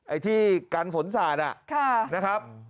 ไอ้ที่กันศนศาสตร์น่ะค่ะนะครับ